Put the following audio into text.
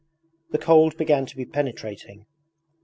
The cold began to be penetrating.